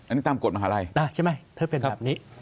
อันนี้ตามกฎมหาลัยใช่ไหมถ้าเป็นแบบนี้